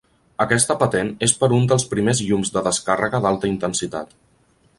Aquesta patent és per un dels primers llums de descàrrega d'alta intensitat.